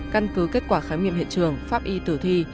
căn cứ kết quả khám nghiệm hiện trường pháp y tử thi